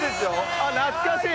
あっ懐かしい！